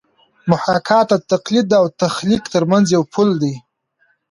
محاکات د تقلید او تخلیق ترمنځ یو پل دی